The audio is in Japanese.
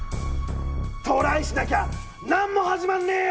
トライしなきゃ何も始まんねえよ！